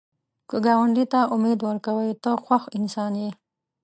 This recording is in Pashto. که ګاونډي ته امید ورکوې، ته خوښ انسان یې